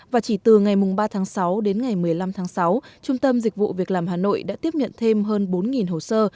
và chỉ từ ngày ba tháng sáu đến ngày một mươi năm tháng sáu trung tâm dịch vụ việc làm hà nội đã tiếp nhận thêm hơn bốn hồ sơ